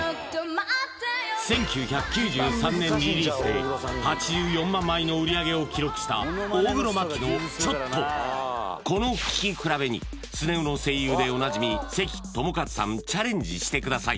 １９９３年リリースで８４万枚の売り上げを記録した大黒摩季の「チョット」この聴き比べにスネ夫の声優でおなじみ関智一さんチャレンジしてください